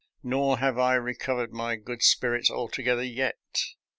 Nor have I recovered my good spirits altogether yet.